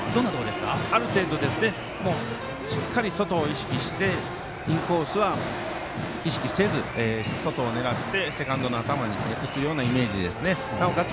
ある程度、しっかり外を意識してインコースは意識せず外を狙って、セカンドの頭に打つようなイメージでなおかつ